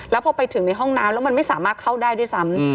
แล้วพอไปถึงในห้องน้ำแล้วมันไม่สามารถเข้าได้ด้วยซ้ำ